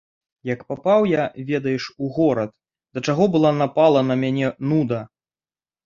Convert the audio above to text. Як папаў я, ведаеш, у горад, да чаго была напала на мяне нуда.